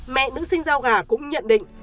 mẹ nữ sinh giao gà cũng nhận định